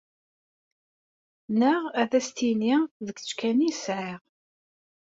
Neɣ ad as-tini d kečč kan i sɛiɣ?